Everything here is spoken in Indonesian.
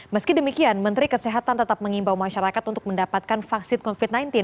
meski demikian menteri kesehatan tetap mengimbau masyarakat untuk mendapatkan vaksin covid sembilan belas